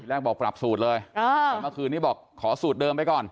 แรกบอกปรับสูตรเลยแต่เมื่อคืนนี้บอกขอสูตรเดิมไปก่อน